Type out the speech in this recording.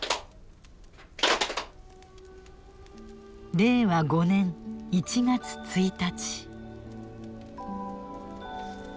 令和５年１月１日。